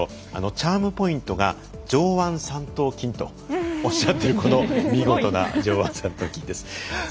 チャームポイントが上腕三頭筋とおっしゃっている見事な上腕三頭筋です。